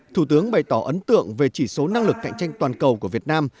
thủ tướng bày tỏ ấn tượng về chỉ số năng lực cạnh tranh toàn cầu của việt nam